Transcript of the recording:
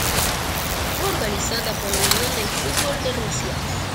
Fue organizada por la Unión del Fútbol de Rusia.